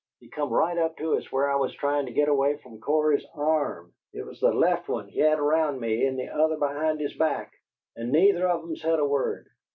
"He come right up to us, where I was tryin' to git away from Cory's arm it was the left one he had around me, and the other behind his back and neither of 'em said a word.